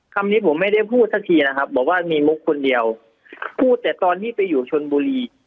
คำนี้ผมไม่ได้พูดสักทีนะครับบอกว่ามีมุกคนเดียวพูดแต่ตอนที่ไปอยู่ชนบุรี